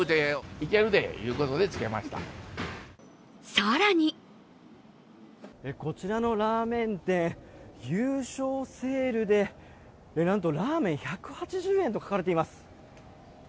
更にこちらのラーメン店、優勝セールでなんとラーメン１８０円と書かれています。